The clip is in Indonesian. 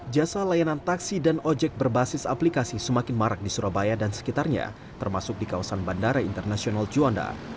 jasa layanan taksi dan ojek berbasis aplikasi semakin marak di surabaya dan sekitarnya termasuk di kawasan bandara internasional juanda